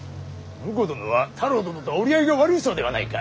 婿殿は太郎殿と折り合いが悪いそうではないか。